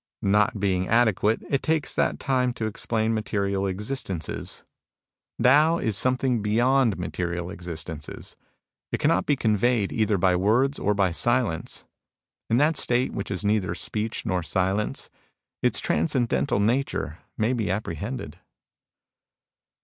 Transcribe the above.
Not being adequate, it takes that time to explain material existences. HEAVENLY EQUILIBRIUM 66 Tao is something beyond material existences. It cannot be conveyed either by words or by silence. In that state which is neither speech nor silence, its transcendental nature may be apprehended."